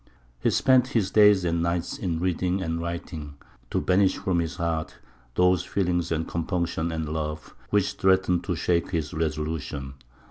He spent his days and nights in reading and writing, to banish from his heart those feelings of compunction and love which threatened to shake his resolution.